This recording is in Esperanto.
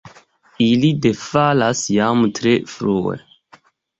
Ili defalas jam tre frue.